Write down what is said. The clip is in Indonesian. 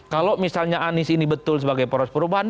kalau misalnya anies ini betul sebagai poros perubahan